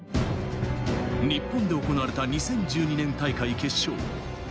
日本で行われた２０１２年大会決勝。